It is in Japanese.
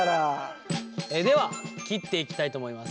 では切っていきたいと思います。